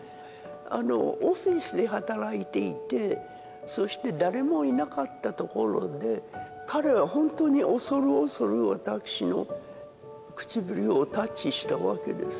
あのオフィスで働いていてそして誰もいなかったところで彼はほんとに恐る恐る私の唇をタッチしたわけです